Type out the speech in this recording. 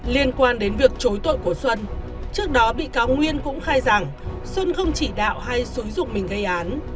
liên quan đến việc chối tội của xuân trước đó bị cáo nguyên cũng khai rằng xuân không chỉ đạo hay xúi dục mình gây án